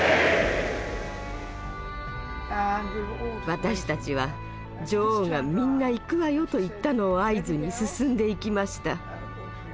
私たちは女王が「みんな行くわよ」と言ったのを合図に進んでいきました。